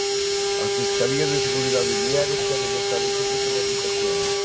A fiscalía de seguridade viaria quere vetar este tipo de aplicacións.